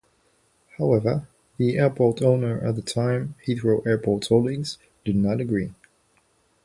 However, the airport owner at the time, Heathrow Airport Holdings, did not agree.